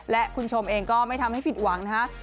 และคุณชมเองก็ไม่ทำให้ผิดหวังนะฮะ